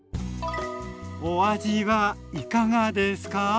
お味はいかがですか？